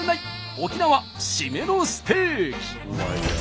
沖縄シメのステーキ！